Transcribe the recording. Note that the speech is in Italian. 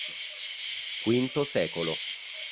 V secolo